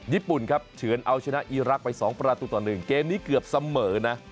ญี่ปุ่นครับเฉลินเอาชนะอีรักไปสองพระราตูต่อหนึ่งเกมนี้เกือบเสมอนะ